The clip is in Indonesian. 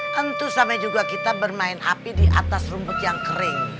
tentu sama juga kita bermain api di atas rumput yang kering